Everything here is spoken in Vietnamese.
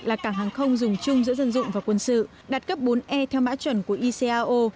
là cảng hàng không dùng chung giữa dân dụng và quân sự đạt cấp bốn e theo mã chuẩn của icao